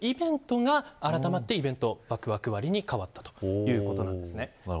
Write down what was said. これはＧｏＴｏイベントが改まって、イベントワクワク割に変わったということです。